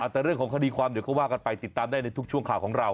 แต่เรื่องของคดีความเดี๋ยวก็ว่ากันไปติดตามได้ในทุกช่วงข่าวของเรา